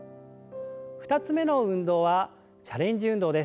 ２つ目の運動はチャレンジ運動です。